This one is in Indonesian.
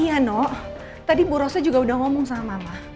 iya nok tadi bu rosa juga udah ngomong sama mama